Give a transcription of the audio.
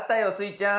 ちゃん。